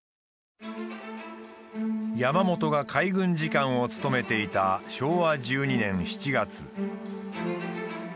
山本が海軍次官を務めていた昭和１２年７月。